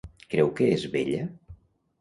Creu que és bella?